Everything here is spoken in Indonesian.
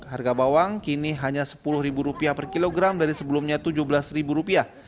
harga bawang kini hanya sepuluh rupiah per kilogram dari sebelumnya tujuh belas rupiah